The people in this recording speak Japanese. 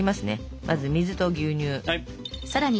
まず水と牛乳。